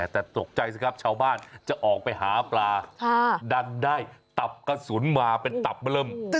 แต่ตกใจสิครับชาวบ้านจะออกไปหาปลาดันได้ตับกระสุนมาเป็นตับมาเริ่ม